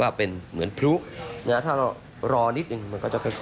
ว่าเป็นเหมือนพลุถ้าเรารอนิดนึงมันก็จะค่อย